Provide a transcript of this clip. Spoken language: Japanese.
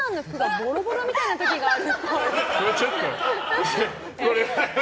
ボロボロ見たいな時がある。